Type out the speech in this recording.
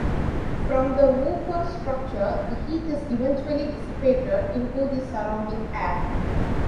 From the woofer structure, the heat is eventually dissipated into the surrounding air.